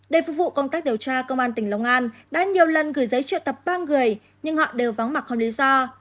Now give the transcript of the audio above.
đề phục vụ công tác điều tra công an tỉnh long an đã nhiều lần gửi giấy truyện tập ban người nhưng họ đều vắng mặt không lý do